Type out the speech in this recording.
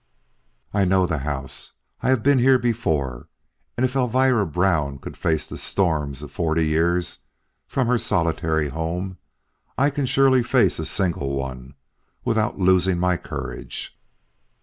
"I know the house. I have been here before, and if Elvira Brown could face the storms of forty years from her solitary home, I can surely face a single one, without losing my courage."